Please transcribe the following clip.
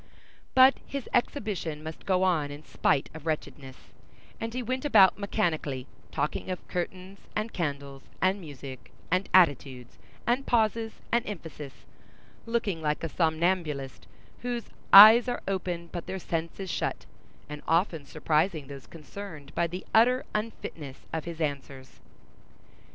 But his exhibition must go on in spite of wretchedness; and he went about mechanically, talking of curtains and candles, and music, and attitudes, and pauses, and emphasis, looking like a somnambulist whose "eyes are open but their sense is shut," and often surprising those concerned by the utter unfitness of his answers.